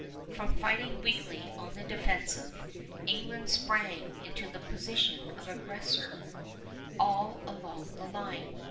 From fighting weakly on the defensive, England sprang into the position of aggressor all along the line.